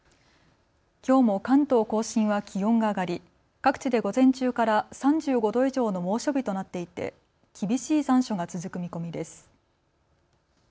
きょうも関東甲信は気温が上がり各地で午前中から３５度以上の猛暑日となっていて厳しい残暑が続く見込みです。